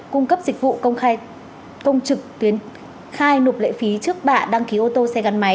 cung cấp dịch vụ công khai công trực tuyến khai nộp lệ phí trước bạ đăng ký ô tô xe gắn máy